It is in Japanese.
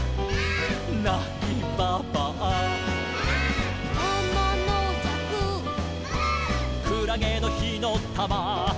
「なきばばあ」「」「あまのじゃく」「」「くらげのひのたま」「」